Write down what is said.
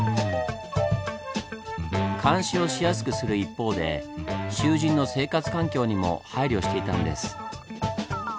監視をしやすくする一方で囚人の生活環境にも配慮していたんです。